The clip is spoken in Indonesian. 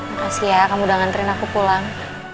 makasih ya kamu udah nganterin aku pulang